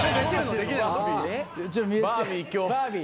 バービー